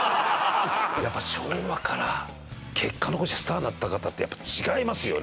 やっぱ昭和から結果残してスターになった方ってやっぱ違いますよね